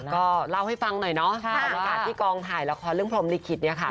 ก็เล่าให้ฟังหน่อยเนาะบรรยากาศที่กองถ่ายละครเรื่องพรมลิขิตเนี่ยค่ะ